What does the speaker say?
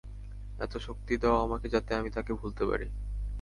এতো শক্তি দাও আমাকে যাতে আমি তাকে ভুলতে পারি।